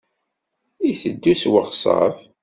Iteddu s weɣṣab.